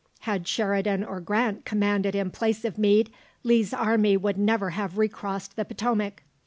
Had Sheridan or Grant commanded in place of Meade, Lee's army would never have recrossed the Potomac."